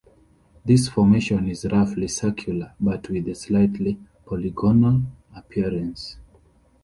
This formation is roughly circular, but with a slightly polygonal appearance.